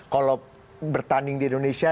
kalau bertanding di indonesia